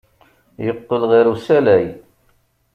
Yeqqel ɣer usalay.